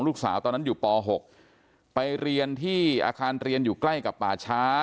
ตอนนั้นอยู่ป๖ไปเรียนที่อาคารเรียนอยู่ใกล้กับป่าช้า